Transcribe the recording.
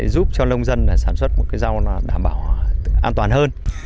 giúp cho nông dân sản xuất một cái rau đảm bảo an toàn hơn